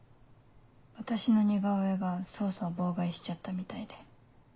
私の似顔絵が捜査を妨害しちゃったみたいで。